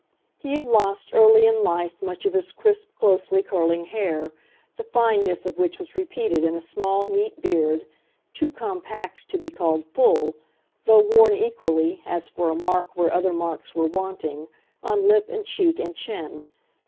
He had lost early in life much of his crisp, closely curling hair, the fineness of which was repeated in a small neat beard, too compact to be called "full," though worn equally, as for a mark where other marks were wanting, on lip and cheek and chin.